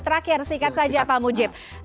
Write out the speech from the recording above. terakhir singkat saja pak mujib